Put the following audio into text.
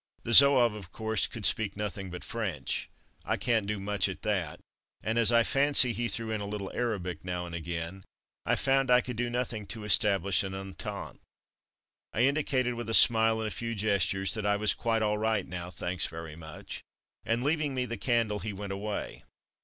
The Zouave, of course, could speak nothing but French. I can't do much at that, and as I fancy he Chilly Quarters 165 threw in a little Arabic now and again, I found I could do nothing to establish an '* entente/' I indicated with a smile and a few gestures, that I was ''quite all right now, thanks very much,'" and leaving me the candle, he went away.